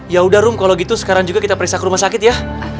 ya udah rum kalau gitu sekarang juga kita periksa ke rumah sakit ya